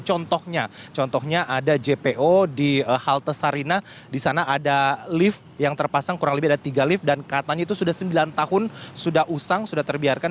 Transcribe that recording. contohnya contohnya ada jpo di halte sarina di sana ada lift yang terpasang kurang lebih ada tiga lift dan katanya itu sudah sembilan tahun sudah usang sudah terbiarkan